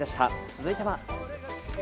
続いては。